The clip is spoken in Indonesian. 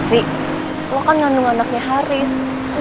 rik lo kan nyandung anaknya haris